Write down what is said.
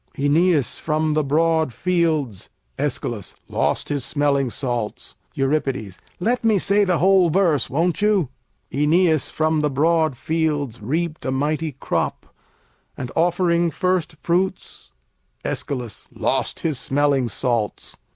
Oeneus from broad fields Æsch. lost his smelling salts. Eur. Let me say the whole verse, won't you? Oeneus from broad fields reaped a mighty crop And offering first fruits Æsch. lost his smelling salts.